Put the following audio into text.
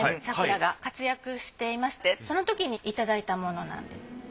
桜が活躍していましてその時にいただいたものなんです。